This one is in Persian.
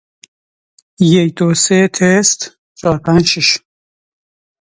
بر خلاف چند سال پیش خوب بود.